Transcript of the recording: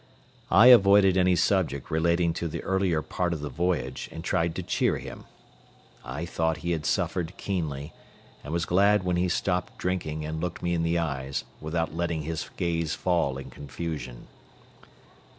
I avoided any subject relating to the earlier part of the voyage and tried to cheer him. I thought he had suffered keenly, and was glad when he stopped drinking and looked me in the eyes without letting his gaze fall in confusion.